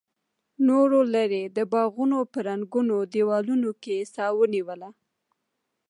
نورو لرې د باغونو په ړنګو دیوالونو کې سا ونیوله.